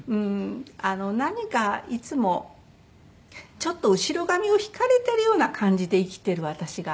何かいつもちょっと後ろ髪を引かれてるような感じで生きてる私が。